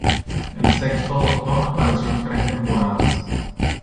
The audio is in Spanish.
El Sexto Doctor apareció en tres temporadas.